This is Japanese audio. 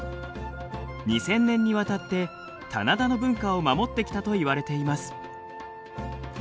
２，０００年にわたって棚田の文化を守ってきたといわれています。